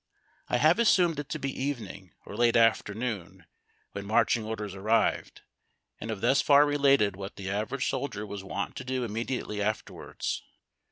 I have assumed it to be evening or late afternoon when marching orders arrived, and have thus far related what the average soldier was wont to do immediately afterwards.